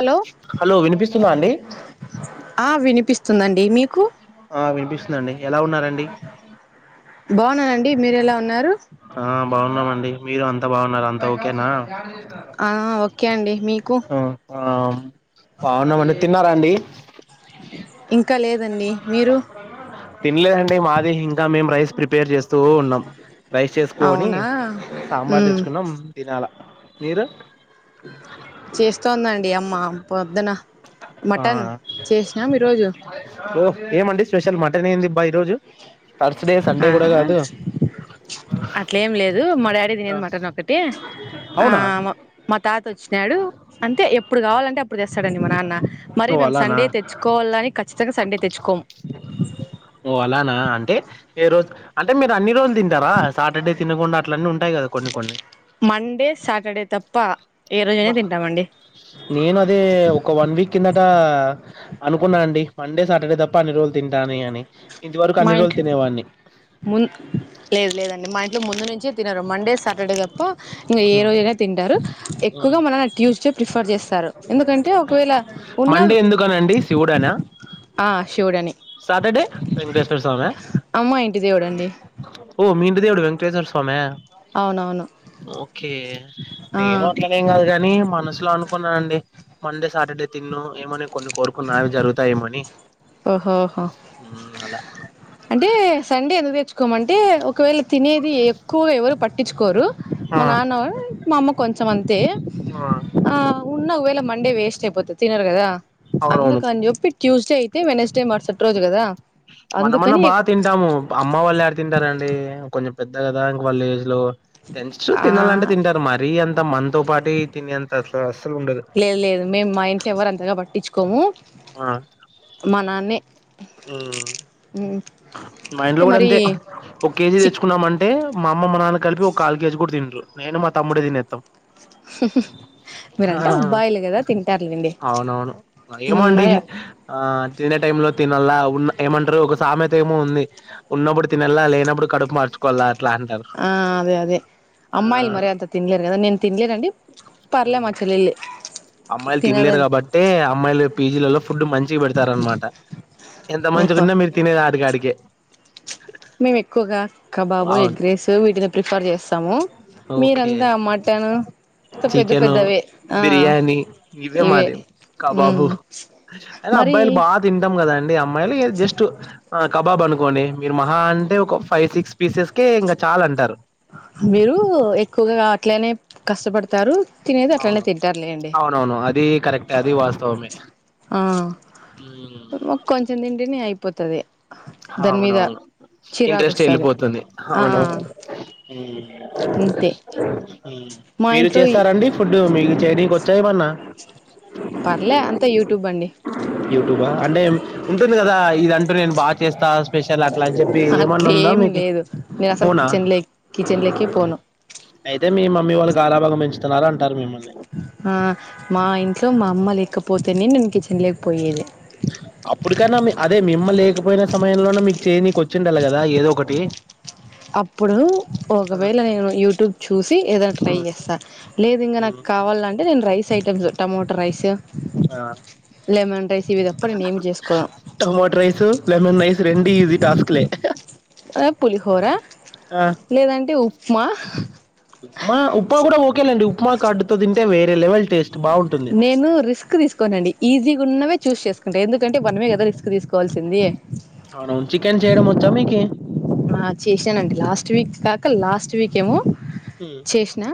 Hello hello వినిపిస్తుందా అండి ఆ వినిపిస్తుందండి మీ ఆ వినిపిస్తుందిండి ఎలా ఉన్నర బాన్నానండి మీరు ఎలా ఉన్నారు ఆ బాగున్నామండి మీరు అంతా బాగున్నారు అంత ఓకేనా ఆ ఓకే అండి మీకు ఉ ఆ బాగున్నామండి తిన్నారండి ఇంకా లేదండి మీరు తినలేదండి మాది ఇంకా మేము రైస్ ప్రిపేర్ చేస్తూ ఉన్నాం రైస్ చేసుకొని అవునా సాంబార్ ఉమ్ తెచ్చుకున్నాం తినాల మీరు చేస్తోందండి అమ్మ పొద్దున ఆ మటన్ చేసినాం ఈరోజు ఓ ఏమండి స్పెషల్ మటన్ ఏందిబ్బాయి ఈ రోజు థర్స్డే సండే కూడ కాదు అట్లే ఏం లేదు మా డాడీ తినేది మటన్ ఒకటి ఆ అవునా మా తాత వచ్చినాడు అంటే ఎప్పుడు కావాలంటే అప్పుడు తెస్తాడండి మా నాన్న మరి ఓ మేము సండే అలానా తెచ్చుకోవాలని ఖచ్చితంగా సండే తెచ్చుకోం ఓ అలానా అంటే ఏ రోజు అంటే మీరు అన్ని రోజులు తింటారా సాటర్డే తినకుండా అట్లన్ని ఉన్ మండే సాటర్డే తప్ప ఏ రోజయినా బా తింటామండి నేను అదే ఒక వన్ వీక్ కిందట అనుకున్నానండి మండే సాటర్డే తప్ప అన్ని రోజులు తింటా అని ఇది వరకు మా అన్ని రోజులు ఇంట్లో తినేవాడిని ము లేదు లేదండి మా ఇంట్లో ముందు నుంచే తినరు మండే సాటర్డే తప్ప ఇంకా ఏ హ్మ్, రోజైనా తింటారు హ్మ్. ఎక్కువగా మా నాన్న ట్యూస్డే ప్రిఫర్ చేస్తారు ఎందుకంటే ఒకవేళ ఉన్న నా ఆ శివుడని ఎ వెంకటేశ్వర్ స్వామ అమ్మ ఇంటి దేవుడండి ఓ మీ ఇంటి దేవుడు వెంకటేశ్వర్ స్వామ అవునవును ఓకే ఆ నేను అట్లనేం కాదు కాని మనసులో అనుకున్నానండి మండే సాటర్డే తిన్ను ఏమని కొన్ని కోరుకున్నవి జరుగుతాయేమని ఓహోహో అంటే సండే ఎందుకు తెచ్చుకోమన్ అంటే ఒకవేళ తినేది ఎక్కువ ఎవరు పట్టించుకోరు మా ఆ నాన్న ఒరు మా అమ్మ కొంచెం అంతే ఆ ఉన్న ఒకవేళ మండే వేస్ట్ అయిపోతుంది తినరు కదా అవునవును అందుకని చెప్పి ట్యూస్డే అయితే వెనెస్డే మర్సటి రోజు కదా మనమన్నా అందుకని బాగా తింటాము అమ్మ వాళ్ళు యాడ తింటారంండి కొంచెం పెద్ద కదా ఇంకా వాళ్ళ ఏజ్ లో తెన్షే ఆ తినాలంటే తింటారు మరి అంత మనతో పాటె తిినేంత అసలు అస్సలు ఉండదు లేదు లేదు మేము మా ఇంట్లో ఎవరు అంతగా పట్టించుకోము ఆ మ నాన్నె ఉమ్. మా ఇంట్లో కూడ అంతే ఒక కేజీ చి తెచ్చుకున్నా మంటే మా అమ్మ మా నాన్న కలిపి ఒక కాలు కేజీ కూడ తిినరు నేను మా తమ్ముడే తినేాం మీరంటే అబ్బాయిలు కదా తింటారులేండి అవునవును ఏమో అండి మరి ఆ తినే టైమ్లో తినాల ఉన్న ఏమంటారు ఒక సామె తేమో ఉంది ఉన్నప్పుడు తినల్లా లేనప్పుడు కడుపు మార్చుకోవాల ఆ అదే అదే ఆ అమ్మాయిలు మరి అంత తిన్లేరు కదా నేను తినలేరండి పర్లే ఉమ్. మా చెల్లిల్ అమ్మాయిలు తిన్లేర్ కాబట్టే అమ్మాయిలు పీజీలలో ఫుడ్ మంచి పెడతారునమాట ఎంత మంచి ఓహో గున్నా మీరు తినేది ఆడికిడికిే మేము ఎక్కువగా కబాబు అవును ఎగ్ రేస్ వీటిని ప్రిఫర్ చేస్తాము ఓకే మీరంతా అ మటను పెద్ద చికెను పెద్దవే ఆ బిర్యానీ ఇవే మాది కాబాబు ఉమ్ అయిన మరి అబ్బాయిలు బాగా తింటాం కదా అండి అమ్మాయిలు జస్ట్ కబాబ్ అనుకోండి మీరు మహా అంటే ఒక ఫైవ్ సిక్స్ పీసెస్ కె ఇంకా చాలంటారు మీరు ఎక్కువగా అట్లనే కష్టపడుత తారు తినేది అట్లనే అవును తింటారు లే అండి అవునవును అది కరెక్ట్ అది వాస్తవమే ఆ కొంచం తింటేనె అయిపోతది దాని మీద హవునవును చిరాకు ఇంట్రెస్ట్ వస్తది వెళ్ళిపోతుంది ఆ అవునవును అంతే మా మీరు ఇంట్లో చేస్తారంండి ఫుడ్డు మీకు చే యిడికి వచ్చా ఏమన్నా పర్లే అంత యూట్యూబ్ అండి యూట్యూబ అంటే ఉంటుంది కదా ఇది అంటూ నేను బాగా చేస్తా స్పెష షల్ అట్ల అని చెప్పి ఏమన్నా ఉందా అట్లేం మీకు లేదు నేను అసలు అవునా కిచెన్ లే కిచెన్ లేకే పోను అయితే మీ మమ్మీ వాళ్ళు గారాబంగా పెంచుతున్నారు అంటారు మిమ్మని మా ఇంట్లో మా అమ్మ లేకపోతేనే నేన్ కిచెన్ లోక్ పోయేది అప్పుటికైన అదే మి అమ్మ లేకపోయిన సమయంలోనే మీక్ చేయని కి వచ్చిండాలి కదా ఏదో ఒకటి అప్పుడు ఆ, ఒకవేళ నేను యూట్యూబ్ చూసి ఏదనా ట్రై ఉమ్, చేస్తాను లేదు ఇంకా ఉమ్, నాకు కావాలంటే నేన్ rice items tomato rice lemon rice ఇవి తప్ప నేను ఏమి చేసుకోను టొమటో రైసు లెమన్ రైస్ రెండు ఈజీ టాస్క్లే పులిహోరా ఆ ఉప్మా మ కూడా ఓకేలాండి ఉప్మా కాడ్డుతో ది వేర లెవల్ టెస్ట్ నేను రిస్క్ తీసుకోనండి ఈజీ గున్నవే చూస్ చేసుకుంటే ఎందుకంటే మనమే కదా రిస్క్ తీసుకోవాల్సింది అవునవును చికెన్ చేయడం వచ్చా మీకి ఆ చేసానండి లాస్ట్ వీక్ ఇక లాస్ట్ వీక్ ఏమో చేసిన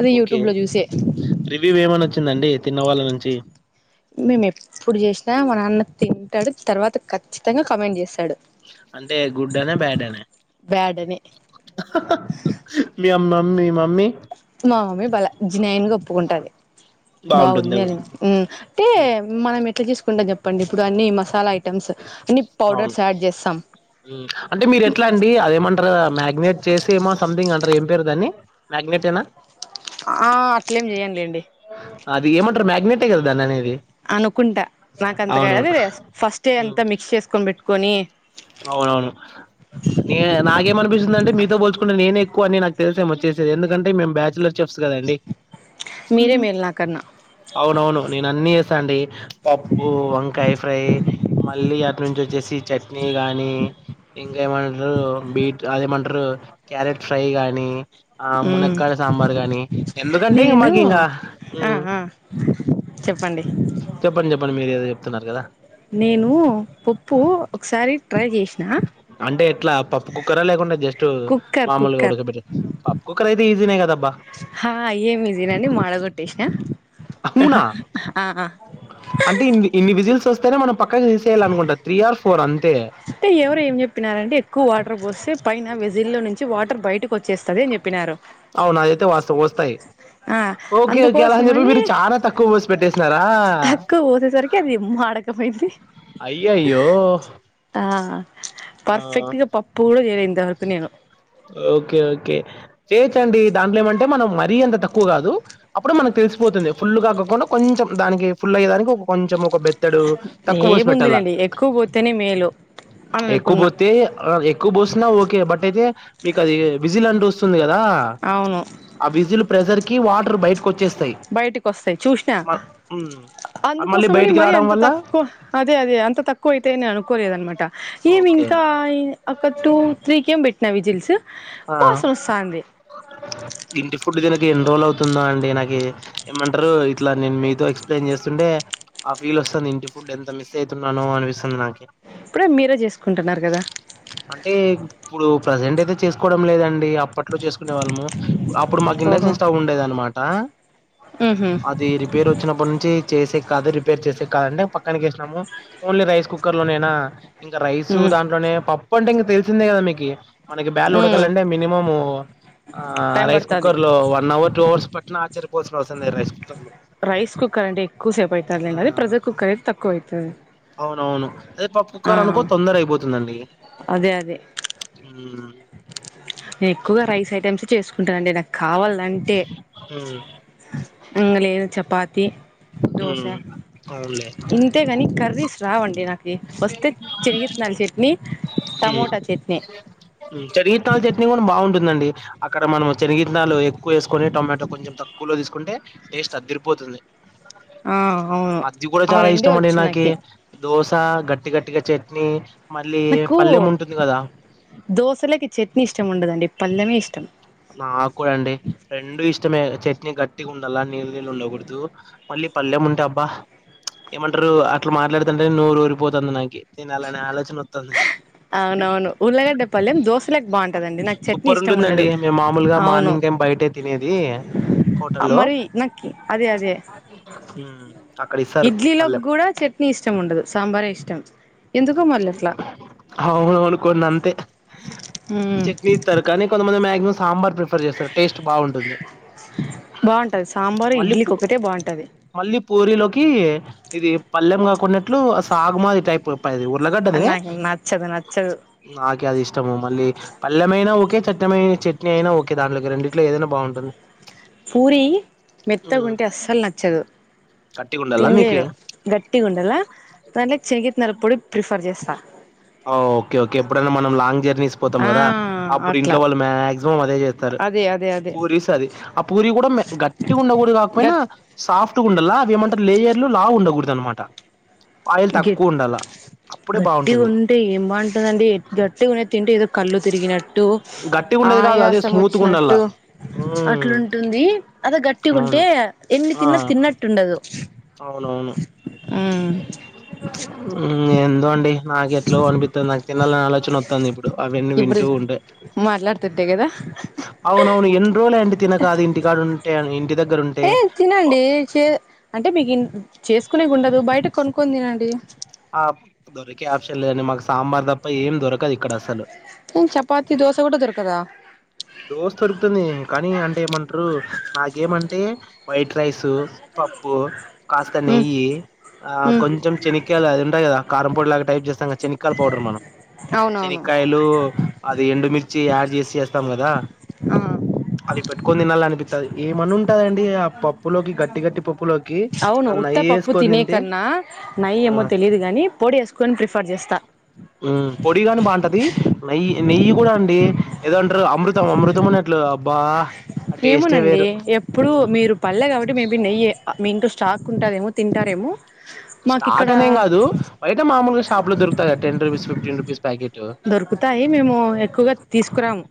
అది ఓకే యూట్యూబ్లో చూసే రివ్యూ ఏమని వచ్చిందండి తిన్నవాళ్ళ నుంచి టడు తర్వాత ఖచ్చితంగ కమెంట్ చేస్తాను అంటే గుడ్ అన బ్యాడ్ అనే బ్యాడ్ అని మీ అమ్మ మమ్మీ మమ్మీ మా మమ్మీ బల జినయన్గా ఒప్పుకుంటది బాగుంటుంది బాగుంది ఉమ్, అనిద్ది అంటే మనం ఎట్ల చేసుకుంటాం చెప్పండి ఇప్పుడు అన్ని మసాలా ఐటమ్స్ అన్ని అవును పౌడర్స్ యాడ్ చేస్తాం అంటే మీరు ఎట్లా అండి అదేమంటారుా మ్యాగ్నేట్ చేసి ఏమో సంథింగ్ అంటరు ఏం పేరు దాన్ని మ్యగ్నెట్ ఏనా ఆ అట్లేం చెయ్యనులేండి అది ఏమంటారు మ్యగ్నెట్. టె కదా దాని అనేది. అనుకుంటా నాకంత అవునవును అరెర ఫస్ట్ దాన్ని అంతా ఉమ్, మిక్స్ చేసుకొని పెట్టుకొని. అవునవును. నే నాకేమనిపిస్తుందిందంటే మీతో పోల్చుకుంటే నేనే ఎక్కువ అని నాకు తెలిసేమ వచ్చేసే ఎందుకంటే మేము బ్యాచలర్. బ్యాచిలర్స్చె కదండి మీరే మేలు నాకన్నా అవునవును నేను అన్ని. చేస్తండి పప్పు వంకాయ ఫ్రై మళ్ళీ అటు నుంచి వచ్చేసి చట్. చట్నీ గాని. ఇంకేమంటారు బీట్ అదేమంటారు క్యారెట్ ఫ్రై గాని. ఆ మ్మ్ మునక్కాడ సాంబార్ గాని ఎందుకంటే ఇంక నేను మాకి ఇంకా. ఆ ఆ చెప్పండి చెప్పండి చెప్పండి మీరు ఏదో చెప్తున్నారు కదా. నేను పప్పు హ్మ్. ఒకసారి ట్రై చేసిన. అంటే ఎట్లా పప్పు కుక్కరా లేకుండా జస్ట్ కుక్కర్ మామూలుగా కుక్కర్ ఉడకబెట్టారు పప్పు కుక్కర్ అయితే ఈజీన కదబ్బా. హు అయ్యే ఇసియండి మాడ కొట్టేసిన. అవునా ఆహ. రిజిల్స్ వస్తేనే మనం పక్కకి తీసేయాల అనుకుంటా త్రీ ఆర్ ఫోర్ అంతే. అంటే ఎవరు ఏం చెప్పినారంటే ఎక్కువ వాటర్ పోస్తే పైన వెజిల్ల్లో నుంచి వాటర్ బయటకు వచ్చేస్తది అని చెప్పినారు. అవునాదయితే వాస్త వస్తాయి. ఆ ఓకే ఓకే అలా అని చెప్పి అందుకోసమని మీరు చాలా తక్కువ పోసి పెట్టేసన్నారా. మాడక పోయింది. అయ్యయ్యో. ఆ ఆ పర్ఫెక్ట్ గా పప్పు కూడా చేయలే ఇంతవరకు నేను. ఓకే ఓకే చేయచండి దాంట్లోఏమం. అంటే మనం మరీ అంత తక్కువ కాదు అప్పుడె మనకు తెలిసిపోతుంది ఫుల్గాకకుండా కొంచెం దానికి ఫుల్ అయ్యే దానికి. కొంచెం ఒక బెత్తడు తక్కువ పోసి పెట్టాల. ఏముందిలేండి ఎక్కువ పోతేనే మేలు అని ఎక్కువ అనుకున్నా పోతే ఎక్కువ పోసిన ఓకే బట్ అయితే. మీకు అది విజిల్ అంటూ వస్తుంది కదా అవును ఆ విజిల్ ప్రెజర్. కి వాటర్ బయటకు వచ్చేస్తాయి బయటకు వస్తాయి చూసినా మ హు. అందుకోసమని మరి అంత తక్కువ అదే అదే అంత తక్కువ అయితాయని నేను అనుకోలేద అనమాట. ఏమి ఓకే ఇంకా ఒక టూ త్రీ కేమో పెట్టిన విజిల్స్. ఆ వాసన వస్తాంది ఇంటి ఫుడ్డు తినక ఎన్ని రోజులు అవుతు. తున్నా అండి నాకు ఏమంటారు ఇట్లా నేను మీతో ఎక్స్ప్లెయిన్ చేస్తుంటే ఆ ఫీల్ వస్తుంది ఇంటి ఫు. ఫుడ్ ఎంత మిస్ అయితున్నానో అనిపిస్తుంది నాకి. ఇప్పుడే మీరే చేసుకుంటున్నారు కదా అంటే ఇప్పుడు ప్రజెంట్ అయితే చేసుకోవడం లేదం. అప్పట్లో చేసుకునే వాళ్ళము అప్పుడు మాకు ఓహో ఇండక్షన్ స్టవ్ ఉండేది అనమాట. ఉహు అది రిపేర్ వచ్చినప్పటి నుంచి చేసేకి కాదు రిపేర్ చేసే. కాదులే పక్కనకిసినాము ఓన్లీ రైస్ కుక్కర్ లోనేనా ఇంకా రైస్ ఉమ్ దాంట్లోనే పప్పు అంటే. తెలిసిందే కదా మీకి. మనకి బ్యాల్ ఉమ్ ఉడకాలంటే మినిమం ఆ టైం రైస్ పడుతది కుక్కర్ లో వన్ అవర్ టూ అవర్స్ పట్టిన ఆశ్చర్. రైస్ కుక్కర్ అంటే ఎక్కువ సేపు ఆ అయితాదిలేండి అదే ప్రెజర్ కుక్కర్ అయితే తక్కువ అయితాది. అవునవును అదే పప్పు కుక్కర్ అనుకో తొందరగ అయిపోతుందండి. అదే అదే మ్మ్ నేను ఎక్కువగా రైస్ ఐటమ్స్ చేసుకుంటా. అంటే నాకు కావాలంటే మ్మ్ ఇంగ లేదు చపాతి. ఉమ్ అ. ఇంతేగాని కర్రీస్ రావండి నాకు వస్తే చనిగిత్తనాల చెట్ని. ఉ చనిగిత్తనాల చట్నీ కూడా బాగుంటు. ఉందండి అక్కడ మనం శనగనాలు ఎక్కువ వేసుకొని టొమాటో కొంచెం తక్కువలో తీసుకుంటే టేస్ట్ అదిరిపో. తుంది ఆ అవును మజ్జిగ కూడా ఆ చాలా రెండే ఇష్టం అండి వచ్చు నాకు నాకి దోస్. అ గట్టి గట్టిగా చట్నీ. మళ్ళీ నకు పల్లెం ఉంటుంది కదా దోశలోకి చెట్నీ ఇష్టము ఉండదండి పల్లమే ఇష్టం. నాక్కూడా అండి రెండూ ఇష్టమే చేట్ గట్టిగా ఉండల్ల నీళ్లు నీళ్లు ఉండకూడదు. మళ్ళీ పల్లెం ఉంటే అబ్బా ఏమంటారు. అట్లా మాట్లాడుతుంటే నోరు ఊరిపోతంది నాకి తినాలి అలానే ఆలోచన వోత్తాంది. అవునవును. ఉల్ళగడ్డ పల్లెం దోశలేకి బాగుంటదండి. నాకు చట్నీ సూపర్ ఇష్టం ఉండదు. ఉంటుందండి మేము మామూలుగా అవును మార్నింగ్ బయటే తినేది హోటల్లో మరి నాకి ఉ ఇడ్లీ లకి కూడా చట్నీ ఇష్టం ఉండదు. సాంబారే ఇష్టం. ఎందుకో మళ్ళీ అట్లా అవును అవును కోన్నీ అంతే ఉమ్ చట్నీ ఇత్తరు. కొంతమంది మ్యాగి నే సాంబార్ ప్రిఫర్ చేస్తారు. టేస్ట్ బాగుంటుంది. బాగుంటది సాంబారు మళ్ళీ పు ఇడ్లీకి ఒకటే బాగుంటది మళ్ళీ పూరీలోకి ఇది పల్లెంగాకున్నట్లు సాగుమాది టైపు అది అది ఊర్లగడ్డనె నాకు నచ్చదు నచ్చదు నాకి అది ఇష్ ష్టము. మళ్ళీ పల్లెమైన ఓకే చట్టమ చట్నీ అయినా ఒకే దాంట్లోకి రెండిట్లో ఏదైనా బాగుంటుంది. పూరి ఉమ్ మెత్తగుంటే అస్సలు నచ్చదు. గట్టిగా ఉండాలా మీకి తినలేను గట్టిగ ఉండల్లా దానిలకి శనిగిత్తనాల పొడి ప్రిఫర్ చేస్తా ఓ ఓకే ఓకే ఎప్పుడైనా మనం లాంగ్ జర్నీస్ పోతాం ఆ కదా అప్పుడు ఇంట్లో అట్లా వాళ్ళు మ్యా సో అదే చేస్తారు. అదే అదే అదే పూరీస్ అది ఆ పూరి కూడా గట్టి ఉండ కూడదు కూడి కాకపోయినా గట్ సాఫ్ట్ ట్టిగ ఉండాలా అవి ఏమంటరు. లేయర్లు లావుగ ఉండకూడదు. అన్మాట ఆయిల్ గట్ తక్కువ ఉండల్ల అప్పుడే గట్టిగా బాగుంటుంది. ఉంటే ఏం బాగుంటదండి. గట్టిగ ఉంటే తింటే ఏదో కళ్లు తిరిగినట్టు గట్టిగా ఉండేది కాదు అదే ఆయాసం స్మూత్గా ఉండాల వోచ్చినట్టు అట్లుంటుంది. అదే గట్టి అవును ఉంటే ఎన్ని ఆ తిన్నట్టు తిన్నట్టుండదు. అవునవును. ఎందొ అండి. నాకు ఎట్లో అనిపిత్తంది. నాకు తీనాలని ఆలోచన వోత్తంది. ఇప్పుడు అవన్నీ ఇప్పుడు వింటూ ఉంటే మాట్లాడుతుంటే కదా అవున అవును ఎన్నీ రోజులు అయే తినకా అది ఇంటి కాడుంటె ఇంటి దగ్గ ఏ తినండి. చే అంటే మీకు చేసుకునే ఉండదు బయట కొనుక్కో క్కోని తినండి. ఆ దొరికే ఆప్షన్ లేదండి. మాకు సాంబార్ తప్ప ఏం దొరకదు ఇక్కడ అసలు ఏ చపాతీ దోశ కూడా దొరుకదా దోశ దొరుకుతుంది. కానీ అంటే ఏమంటారు మాకేమంటే వైట్ రైస్ పప్పు కాస్త ఉమ్ నెయ్యి ఆ ఉమ్ కొంచెం శనక్కయల అది ఉంటాది. కదా కారం పొడి లాగా టైప్ చేస్తాం. శనక్కయల పౌడర్ మనం అవునవును శనక్కయలు అది ఎండు మిర్ ర్చి యాడ్ చేసి చేస్తాం కదా ఆ అది పెట్టుకొని తినాలి అనిపిత్తది. ఏమన్న ఉంటదండి. ఆ పప్పులోకి గట్టి గట్టి పప్పులోకి అవును. ఆ ఉత్త నెయ్యి పప్పు వేసుకొని తినే తింటే కన్నా ఆ నెయ్యి ఏమో తెలిదు కాగాని పొడి వేసుకొని ప్రిఫర్ చేస్తా పొడి గాని బాగుంటది. నెయ్యి నెయ్యి కూడా అండి ఏదోంటారు. అమృతం అమృతం అనేట్లుగా అబ్బా ఆ టేస్టే ఏమనండి వేరు ఎప్పుడు మ్మ్ మీరు పల్లె కాబట్టి మేబి నెయ్యి మీ ఇంట్ల స్టక్ ఉంటదేమో తింటారేమో మాకు ఇక్కడ స్టాక్ అనేం కాదు బయట మామూలుగా షాప్ లో దొకుతాది గా ten rupees fifteen rupees packet దొరుకుతాయి మేము ఎక్కువగా తీసుకురాము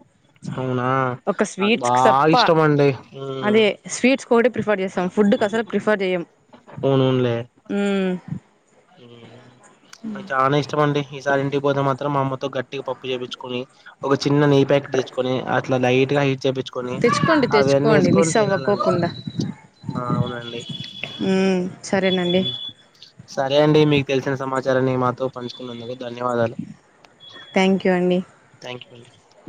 అవునా ఒక నాకు స్వీట్స్ బాగా తప్ప ఇష్టం అండి మ్మ్ అదే స్వీట్స్ ఫ్రీఫర్ చేస్తం ఫుడ్కు అసలు ప్రిఫర్ చెయం హ్ నాకు చానా ఇష్టము. అండి ఈసారి ఇంటికి పోతే మాత్రం మా అమ్మ తో గట్టిగా పప్పు చేపించ్చుకొని ఒక చిన్న నెయ్యి ప్యాకెట్ తెచ్చుకొని అట్లా లైట్గా చేపించుకొని తెచ్చుకోండి అవన్నీ తెచ్చుకోండి మిస్ వేసుకొని తినాలండి అవ్వకోకుండా ఆ అవునండి. ఉమ్, సరేనండి హ్ సరే అండి మీకు తెలిసిన సమాచారాన్ని మాతో పంచుకున్నందుకు ధన్యవాదాలు. థ్యాంక్ యూ అండి [unintelligible]